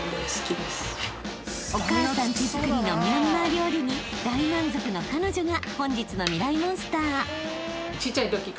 ［お母さん手作りのミャンマー料理に大満足の彼女が］